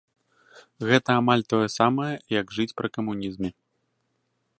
Гэта амаль тое самае, як жыць пры камунізме.